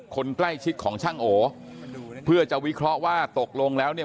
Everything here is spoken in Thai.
คนใกล้ชิดของช่างโอเพื่อจะวิเคราะห์ว่าตกลงแล้วเนี่ย